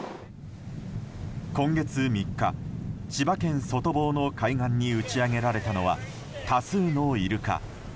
今月３日、千葉県外房の海岸に打ち揚げられたのは多数のイルカ。